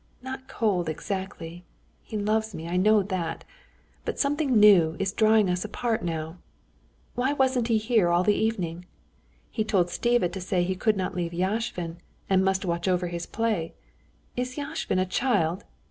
not cold exactly, he loves me, I know that! But something new is drawing us apart now. Why wasn't he here all the evening? He told Stiva to say he could not leave Yashvin, and must watch over his play. Is Yashvin a child?